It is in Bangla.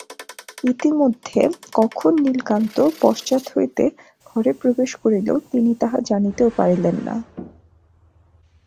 ইতিমধ্যে কখন নীলকান্ত পশ্চাৎ হইতে ঘরে প্রবেশ করিল তিনি তাহা জানিতেও পারিলেন না।